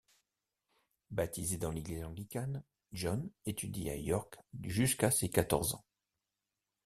Baptisé dans l'Église anglicane, John étudie à York jusqu'à ses quatorze ans.